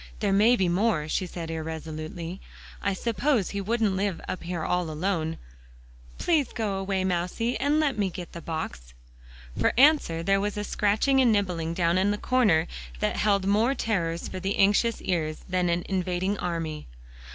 "There may be more," she said irresolutely. "I suppose he wouldn't live up here all alone. Please go away, mousie, and let me get the box." For answer there was a scratching and nibbling down in the corner that held more terrors for the anxious ears than an invading army.